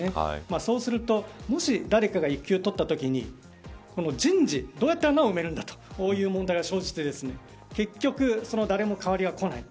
そうするともし誰かが育休を取ったときに人事がどうやって穴を埋めるんだという問題が生じて結局、誰も変わりがこない。